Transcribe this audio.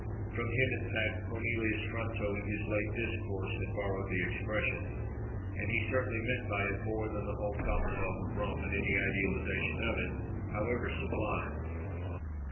From him in fact Cornelius Fronto, in his late discourse, had borrowed the expression; and he certainly meant by it more than the whole commonwealth of Rome, in any idealisation of it, however sublime.